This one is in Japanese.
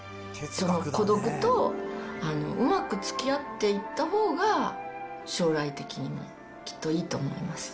孤独とうまくつきあっていったほうが、将来的にはきっといいと思います。